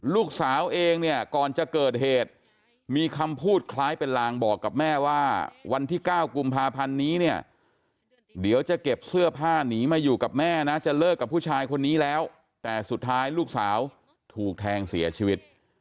ลูกสาวเองเนี่ยก่อนจะเกิดเหตุมีคำพูดคล้ายเป็นลางบอกกับแม่ว่าวันที่๙กุมภาพันธ์นี้เนี่ยเดี๋ยวจะเก็บเสื้อผ้าหนีมาอยู่กับแม่นะจะเลิกกับผู้ชายคนนี้แล้วแต่สุดท้ายลูกสาวถูกแทงเสียชีวิต